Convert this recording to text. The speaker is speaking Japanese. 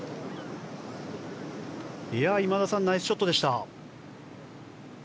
今田さんナイスショットでした。